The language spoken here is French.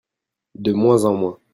De moins en moins.